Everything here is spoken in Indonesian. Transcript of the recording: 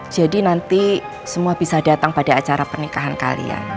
jadi nanti semua bisa datang pada acara pernikahan kalian